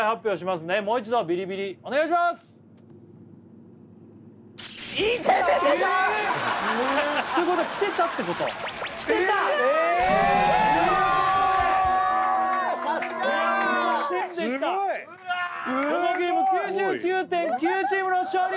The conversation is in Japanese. すごいすごいこのゲーム９９．９チームの勝利！